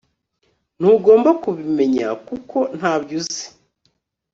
Ntugomba kubimenya kuko ntabyo uzi